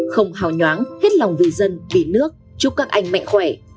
không hào nhoáng hết lòng vì dân vì nước chúc các anh mạnh khỏe